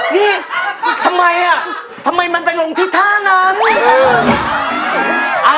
นี่ทำไมอ่ะทำไมมันไปลงที่ท่านั้น